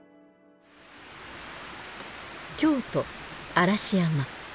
京都嵐山。